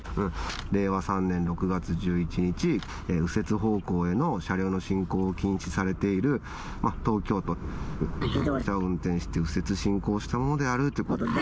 令和３年６月１１日、右折方向への車両の進行を禁止されている東京都×××区で自動車を運行して右折進行したものであると。